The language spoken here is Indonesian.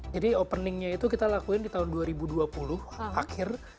jadi openingnya itu kita lakuin di tahun dua ribu dua puluh akhir